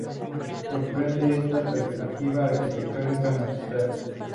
Sorprende esta perspectiva arquitectónica magistral.